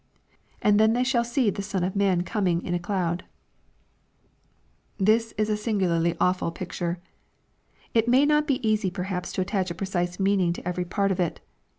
And then shall they see the Son of man coming in a cloud/' This is a singularly awful picture. It may not be easy perhaps to attach a precise meaning to every part of it.